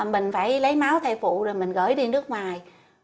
mình phải lấy máu thai phụ rồi mình gửi đi nước ngoài